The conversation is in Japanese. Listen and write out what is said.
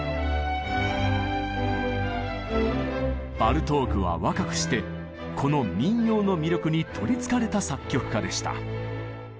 バルトークは若くしてこの民謡の魅力に取りつかれた作曲家でした。